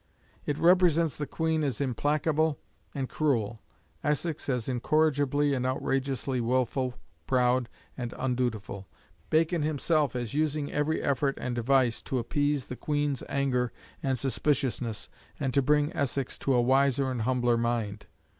It represents the Queen as implacable and cruel, Essex as incorrigibly and outrageously wilful, proud, and undutiful, Bacon himself as using every effort and device to appease the Queen's anger and suspiciousness, and to bring Essex to a wiser and humbler mind.